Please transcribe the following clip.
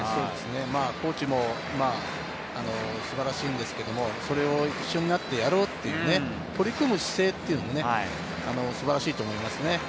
コーチも素晴らしいんですけれど、一緒になってやろうと取り組む姿勢も素晴らしいと思いますね。